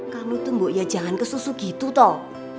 kamu tuh bu ya jangan kesusu gitu toh